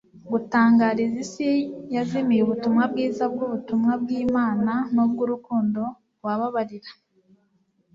gutangariza isi yazimiye ubutumwa bwiza bw'ubuntu bw'Imana n'ubw'urukundo wbabarira.